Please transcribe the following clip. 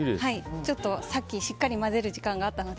さっきしっかりと混ぜる時間があったので。